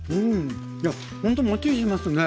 いやほんともっちりしますね。